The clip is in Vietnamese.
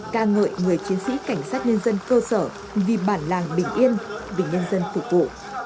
ca ngợi người chiến sĩ cảnh sát nhân dân cơ sở vì bản làng bình yên vì nhân dân phục vụ